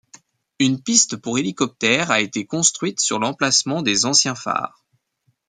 Une piste pour hélicoptère a été construite sur l'emplacement des anciens phares.